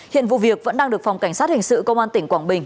hiện vụ việc vẫn đang được phòng cảnh sát hình sự công an tỉnh quảng bình